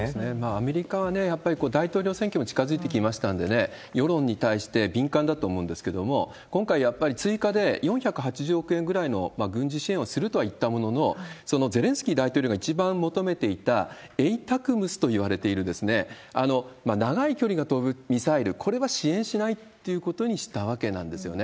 アメリカはやっぱり大統領選挙も近づいてきましたんで、世論に対して敏感だと思うんですけれども、今回、やっぱり追加で４８０億円ぐらいの軍事支援をすると入ったものの、そのゼレンスキー大統領が一番求めていた、エイタクムスといわれている、長い距離が飛ぶミサイル、これは支援しないということにしたわけなんですよね。